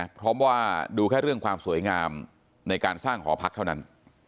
เพราะว่าดูแค่เรื่องความสวยงามในการสร้างหอพักเท่านั้น